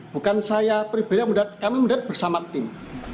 bukan saya pribadi kami mendarat bersama tim